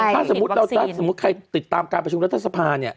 ถ้าสมมุติใครติดตามการประชุมรัฐสภา